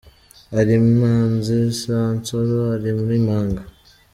ari Imanzi za Nsoro, ari n’Imanga